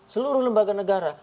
seluruh lembaga negara